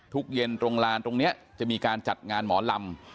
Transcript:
เย็นตรงลานตรงนี้จะมีการจัดงานหมอลำ